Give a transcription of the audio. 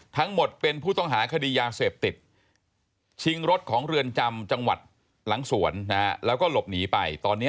ทั้งหมดเป็นผู้ต้องหาคดียาเสพติด